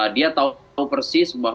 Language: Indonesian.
dia tahu persis bahwa